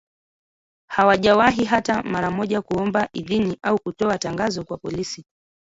Hawajawahi hata mara moja kuomba idhini au kutoa tangazo kwa polisi